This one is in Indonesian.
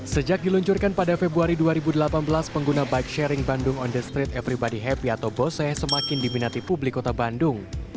sejak diluncurkan pada februari dua ribu delapan belas pengguna bike sharing bandung on the street everybody happy atau bose semakin diminati publik kota bandung